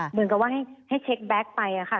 เหมือนกับว่าให้เช็คแบ็คไปค่ะ